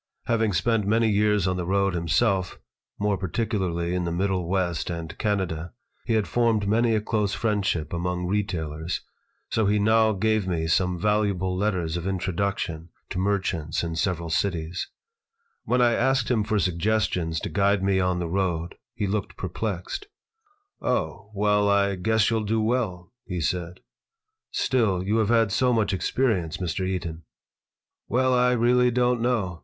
Having spent many years on the road himself, more particularly in the Middle West and Canada, he had formed many a close friendship among retailers, so he now gave me some valuable letters of intro duction to merchants in several cities When I asked him for suggestions to guide me on the road he looked perplexed "Oh, well, I guess you'll do well," he said "Still, you have had so much experience, Mr. Eaton." "Well, I really don't know.